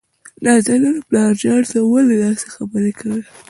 نازنين: پلار جانه ته ولې داسې خبرې کوي؟